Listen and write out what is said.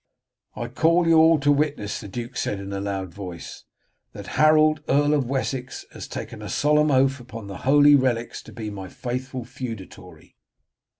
"I call you all to witness," the duke said in a loud voice, "that Harold, Earl of Wessex, has taken a solemn oath upon the holy relics to be my faithful feudatory."